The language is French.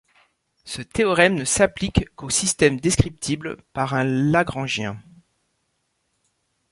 Ce théorème ne s'applique qu'aux systèmes descriptibles par un lagrangien.